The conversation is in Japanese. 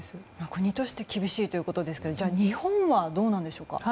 国として厳しいということですがじゃあ、日本はどうなんでしょうか。